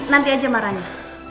nanti aja marahnya